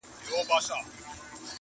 • فضا له وېري او ظلم ډکه ده او درنه ده,